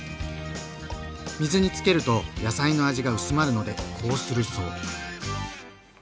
水につけると野菜の味が薄まるのでこうするそう。